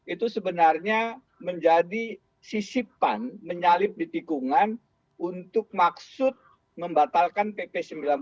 itu sebenarnya menjadi sisipan menyalip di tikungan untuk maksud membatalkan pp sembilan puluh sembilan